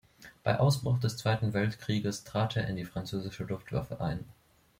Bei Ausbruch des Zweiten Weltkriegs trat er in die französische Luftwaffe ein.